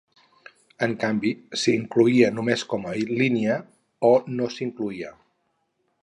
En canvi, s'hi incloïa només com a línia, o no s'hi incloïa.